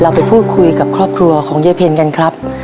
ไปพูดคุยกับครอบครัวของยายเพ็ญกันครับ